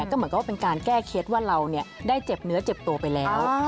ก็เหมือนกับว่าเป็นการแก้เคล็ดว่าเราได้เจ็บเนื้อเจ็บตัวไปแล้ว